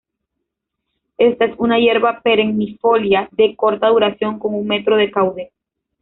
Esta es una hierba perennifolia de corta duración con un metro de caudex.